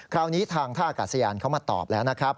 คราวนี้ทางท่าอากาศยานเขามาตอบแล้วนะครับ